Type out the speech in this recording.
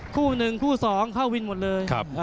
คู่หนึ่งสองเข้าวินหมดเลยครับ